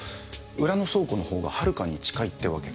裏の倉庫のほうがはるかに近いってわけか。